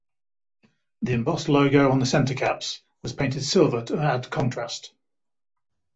The embossed logo on the center caps was painted silver to add contrast.